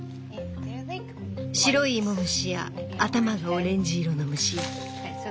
白い芋虫や頭がオレンジ色の虫や。